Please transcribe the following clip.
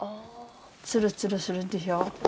ツルツルするでしょ。